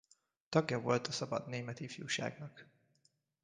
Tagja volt a Szabad Német Ifjúságnak.